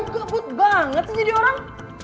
geput banget sih jadi orang